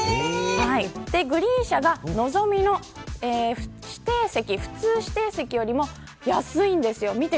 グリーン車がのぞみの普通指定席より安いんです。